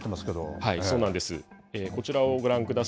そうなんです。